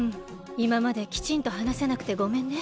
いままできちんとはなせなくてごめんね。